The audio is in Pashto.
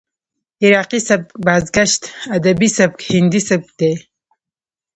عراقي سبک، بازګشت ادبي سبک، هندي سبک دى.